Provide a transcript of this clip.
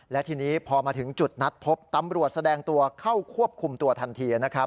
และทีนี้พอมาถึงจุดนัดพบตำรวจแสดงตัวเข้าควบคุมตัวทันทีนะครับ